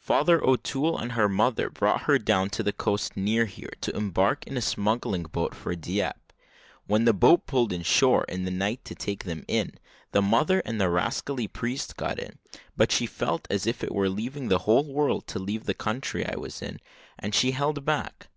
Father O'Toole and her mother brought her down to the coast near here, to embark in a smuggling boat for Dieppe. When the boat pulled in shore in the night to take them in, the mother and the rascally priest got in, but she felt as if it were leaving the whole world to leave the country I was in, and she held back.